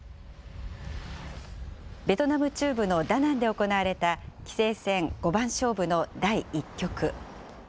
ベトナム中部のダナンで行われた棋聖戦五番勝負の第１局。